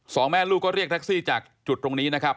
สองแม่ลูกก็เรียกแท็กซี่จากจุดตรงนี้นะครับ